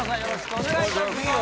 お願いします